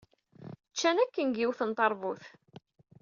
Ččan akken deg yiwet n terbut.